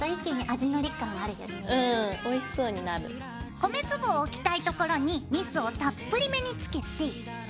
米粒を置きたいところにニスをたっぷりめにつけて。